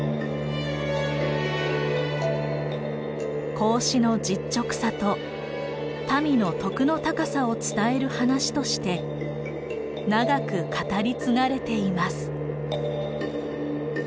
孔子の実直さと民の徳の高さを伝える話として長く語り継がれています。